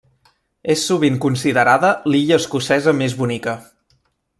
És sovint considerada l'illa escocesa més bonica.